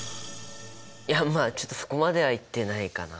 いやまあちょっとそこまではいってないかなあ。